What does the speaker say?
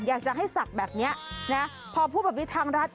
อยากจะให้สักแบบนี้นะพอผู้บับวิทย์ทางร้าน